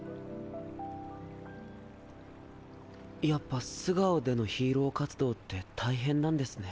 やっぱ素顔でのヒーロー活動って大変なんですね。